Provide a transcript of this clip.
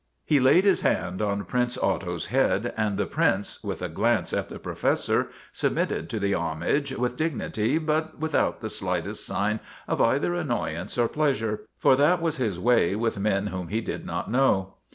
He laid his hand on Prince Otto's head, and the Prince, with a glance at the Professor, submitted to the homage with dignity but without the slightest sign of either annoyance or pleasure, for that was his way with men whom he did not know.